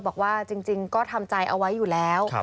บอกว่าจริงก็ทำใจเอาไว้อยู่แล้ว